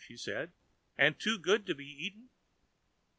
she said, "and too good to be eaten?"